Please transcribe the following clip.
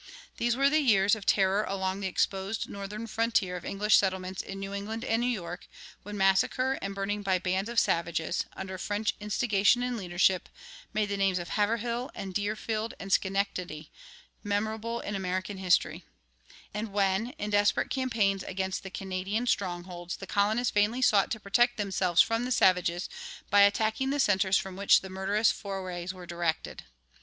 These were the years of terror along the exposed northern frontier of English settlements in New England and New York, when massacre and burning by bands of savages, under French instigation and leadership, made the names of Haverhill and Deerfield and Schenectady memorable in American history, and when, in desperate campaigns against the Canadian strongholds, the colonists vainly sought to protect themselves from the savages by attacking the centers from which the murderous forays were directed.